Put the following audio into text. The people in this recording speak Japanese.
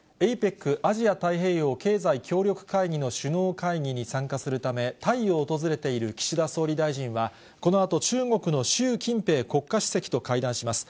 ＡＰＥＣ・アジア太平洋経済協力会議の首脳会議に参加するため、タイを訪れている岸田総理大臣は、このあと、中国の習近平国家主席と会談します。